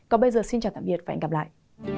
còn bây giờ xin chào tạm biệt và hẹn gặp lại